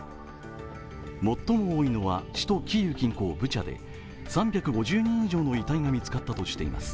最も多いのは首都キーウ近郊ブチャで３５０人以上の遺体が見つかったとしています。